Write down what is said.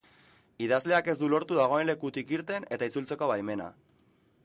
Idazleak ez du lortu dagoen lekutik irten eta itzultzeko baimena.